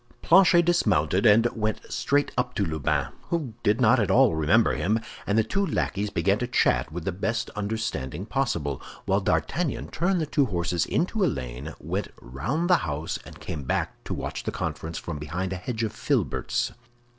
Planchet dismounted and went straight up to Lubin, who did not at all remember him, and the two lackeys began to chat with the best understanding possible; while D'Artagnan turned the two horses into a lane, went round the house, and came back to watch the conference from behind a hedge of filberts.